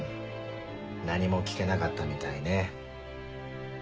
何も聞けなかったみたいね。